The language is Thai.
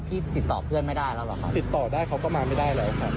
ติดต่อได้เค้าก็มาไม่ได้แล้วครับ